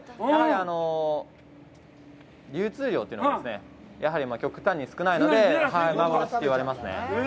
やはり流通量というのがやはり極端に少ないので、幻と言われますね。